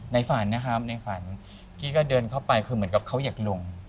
ฝันนะครับในฝันกี้ก็เดินเข้าไปคือเหมือนกับเขาอยากลง